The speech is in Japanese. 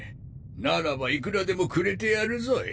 ならばいくらでもくれてやるぞい。